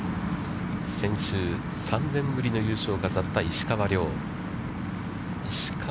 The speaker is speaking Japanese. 先週、３年ぶりの優勝を飾った石川遼。